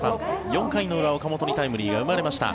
４回の裏、岡本にタイムリーが生まれました。